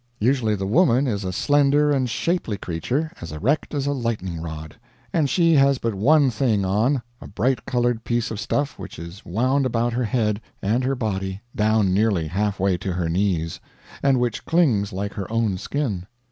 Usually the woman is a slender and shapely creature, as erect as a lightning rod, and she has but one thing on a bright colored piece of stuff which is wound about her head and her body down nearly half way to her knees, and which clings like her own skin.